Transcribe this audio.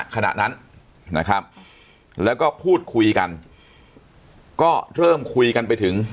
ขณะนั้นนะครับแล้วก็พูดคุยกันก็เริ่มคุยกันไปถึง